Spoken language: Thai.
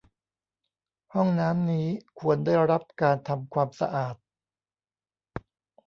ห้องน้ำนี้ควรได้รับการทำความสะอาด